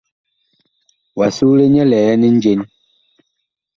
Wa sugle nyɛ liɛn njen ?